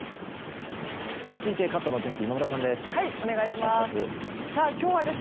続いて関東のお天気今村さんです。